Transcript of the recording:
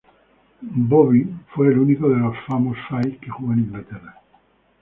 Bobby fue el único de los "Famous Five" que jugó en Inglaterra.